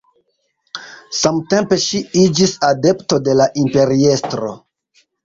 Samtempe ŝi iĝis adepto de la imperiestro.